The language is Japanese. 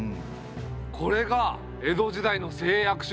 これが江戸時代の誓約書。